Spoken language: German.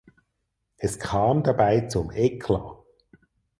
Es kam dabei zum Eklat.